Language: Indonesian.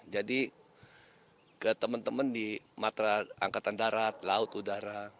jadi ke teman teman di angkatan darat laut udara